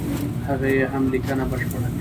هغه یې هم لیکنه بشپړه کړه.